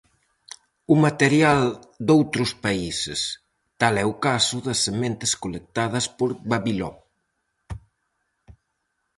O material doutros países, tal é o caso das sementes colectadas por Vavilov.